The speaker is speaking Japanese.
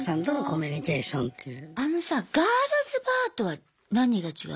あのさガールズバーとは何が違う？